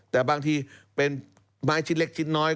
แต่บางทีเป็นไม้ชิ้นเล็กชิ้นน้อย